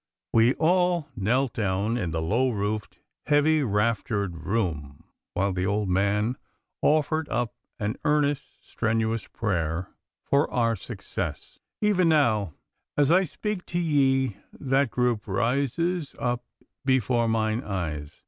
We all knelt down in the low roofed, heavy raftered room while the old man offered up an earnest, strenuous prayer for our success. Even now, as I speak to ye, that group rises up before mine eyes.